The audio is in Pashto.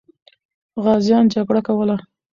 غازیان جګړه کوله.